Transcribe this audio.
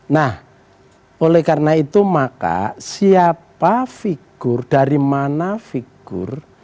nah oleh karena itu maka siapa figur dari mana figur